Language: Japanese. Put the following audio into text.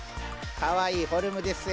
かわいいフォルムですよ。